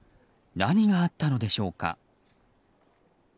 何があったのでしょうか。